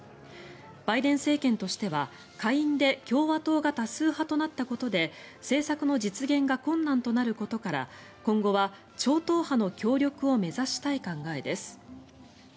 バイデン政権としては、下院で共和党が多数派となったことで政策の実現が困難となることから今後は超党派の協力を目指したい考えです。